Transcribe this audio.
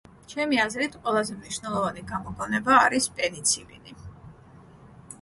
ჩემი აზრით ყველაზე მნიშვნელოვანი გამოგონება არის პენიცილინი.